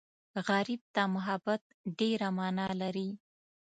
غریب ته محبت ډېره مانا لري